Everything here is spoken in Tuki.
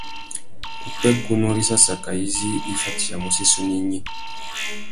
Upwêkunú râ issassaka izí i fatiyamú séssénô ignï.